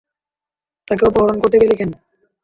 তাকে অপহরণ করতে গেলি কেন?